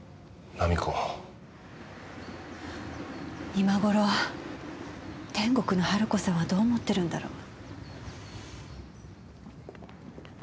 今頃天国の春子さんはどう思ってるんだろう？